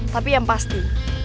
tapi yang pasti